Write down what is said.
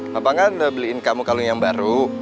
papa kan udah beliin kamu kalung yang baru